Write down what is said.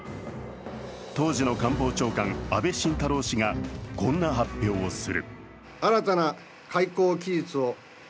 当時の官房長官、安倍晋太郎氏がこんな発表をする。